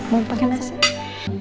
mau pakai nasi